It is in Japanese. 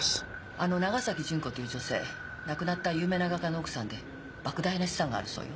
あの長崎純子という女性亡くなった有名な画家の奥さんで莫大な資産があるそうよ。